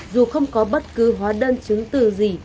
dù không có bất cứ hóa đơn chứng từ gì